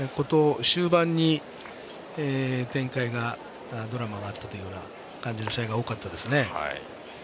終盤に展開がドラマがあったという感じの試合が多かったですね。